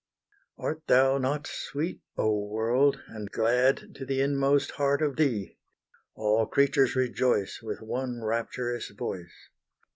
Art thou not sweet, Oh world, and glad to the inmost heart of thee! All creatures rejoice With one rapturous voice.